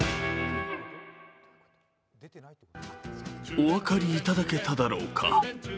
お分かりいただけただろうか。